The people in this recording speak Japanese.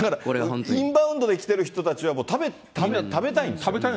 インバウンドで来てる人たちは、食べたいんですよね。